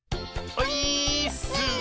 オイーッス！